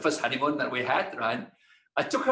pernikahan pertama yang kita lakukan